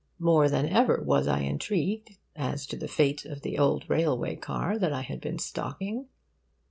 More than ever was I intrigued as to the fate of the old railway car that I had been stalking.